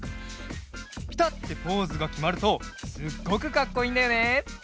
ピタッてポーズがきまるとすっごくかっこいいんだよね。